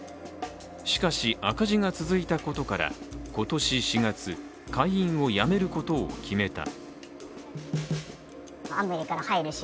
しかし、赤字が続いたことから今年４月、会員をやめることを決めた。